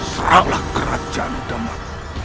serahlah kerjaan teman teman